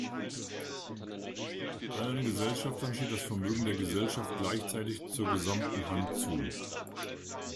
Allen Gesellschaftern steht das Vermögen der Gesellschaft gleichzeitig zur gesamten Hand zu.